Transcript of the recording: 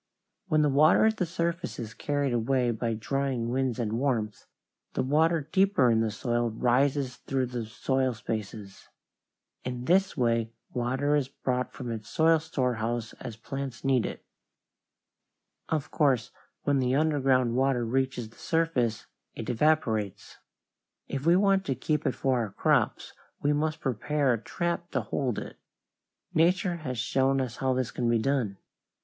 When the water at the surface is carried away by drying winds and warmth, the water deeper in the soil rises through the soil spaces. In this way water is brought from its soil storehouse as plants need it. [Illustration: FIG. 7. APPARATUS FOR TESTING THE HOLDING OF WATER BY DIFFERENT SOILS] Of course when the underground water reaches the surface it evaporates. If we want to keep it for our crops, we must prepare a trap to hold it. Nature has shown us how this can be done.